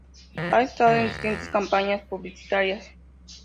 Ha estado en distintas campañas publicitarias.